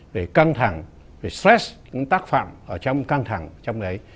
về căng thẳng về stress những tác phạm ở trong căng thẳng trong đấy